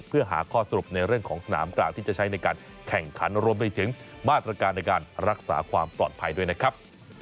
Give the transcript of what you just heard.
เพื่อหาข้อสรุปในเรื่องของสนามกลางที่จะใช้ในการแข่งขันรวมไปถึงมาตรการในการรักษาความปลอดภัยด้วยนะครับ